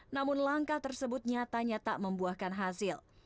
namun langkah tersebut nyatanya tak membuahkan hasil